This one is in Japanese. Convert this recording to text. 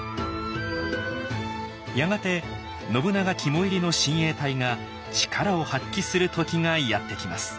やがて信長肝煎りの親衛隊が力を発揮する時がやって来ます。